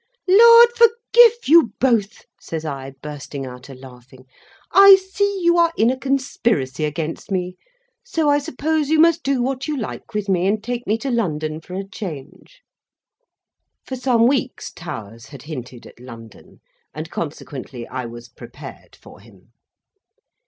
"Lard forgive you both!" says I, bursting out a laughing; "I see you are in a conspiracy against me, so I suppose you must do what you like with me, and take me to London for a change." For some weeks Towers had hinted at London, and consequently I was prepared for him.